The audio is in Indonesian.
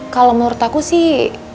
kalau menurut aku sih